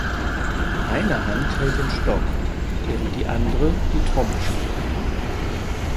Eine Hand hält den Stock während die andere die Trommel schlägt.